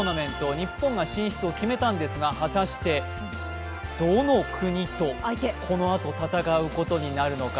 日本が進出を決めたんですが果たして、どの国とこのあと戦うことになるのか。